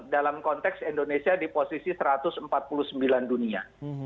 dalam konteks indonesia di posisi satu ratus empat puluh sembilan dunia